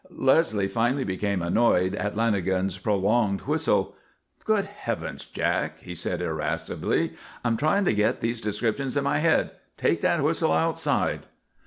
Leslie finally became annoyed at Flanagan's prolonged whistle. "Good heavens, Jack," he said irascibly, "I'm trying to get these descriptions in my head. Take that whistle outside."